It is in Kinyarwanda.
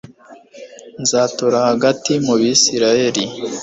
nzatura hagati mu bisirayeli